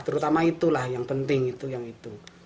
terutama itulah yang penting itu yang itu